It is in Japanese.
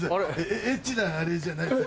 エッチなあれじゃない。